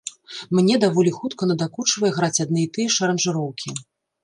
Мне даволі хутка надакучвае граць адны і тыя ж аранжыроўкі.